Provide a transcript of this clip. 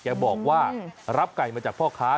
แกบอกว่ารับไก่มาจากพ่อค้า